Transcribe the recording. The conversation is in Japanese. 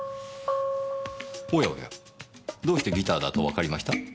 おやおやどうしてギターだとわかりました？